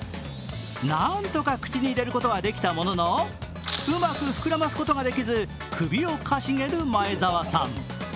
何とか口に入れることはできたもののうまく膨らませることができず首をかしげる前澤さん。